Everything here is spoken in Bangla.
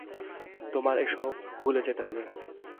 তোমার এসব ভুলে যেতে হবে।